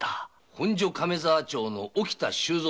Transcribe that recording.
本所亀沢町の沖田収蔵様。